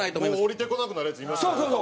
下りてこなくなるヤツいました。